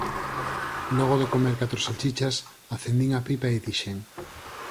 Logo de comer catro salchichas, acendín a pipa e dixen: